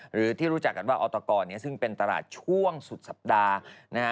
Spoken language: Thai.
หรือที่รู้จักกันว่าออตกรซึ่งเป็นตลาดช่วงสุดสัปดาห์นะฮะ